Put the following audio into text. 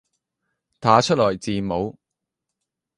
打出來字母